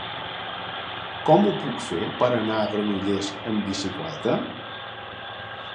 Com ho puc fer per anar a Granollers amb bicicleta?